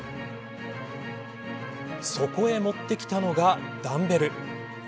そこへ持ってきたのがダンベル。